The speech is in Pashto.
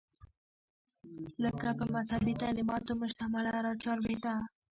لکه پۀ مذهبي تعليماتو مشتمله دا چاربېته